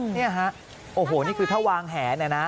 นี่นะครับโอ้โฮนี่คือถ้าวางแหนะ